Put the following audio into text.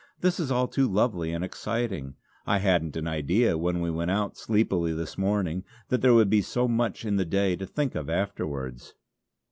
This is all too lovely and exciting. I hadn't an idea when we went out sleepily this morning that there would be so much in the day to think of afterwards."